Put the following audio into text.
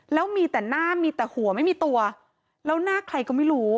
แล้วมีแต่หน้ามีแต่หัวไม่มีตัวแล้วหน้าใครก็ไม่รู้